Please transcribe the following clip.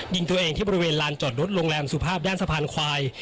ยิงตัวเองที่บริเวณลานจอดรถโรงแรมสุภาพด้านสะพานควาย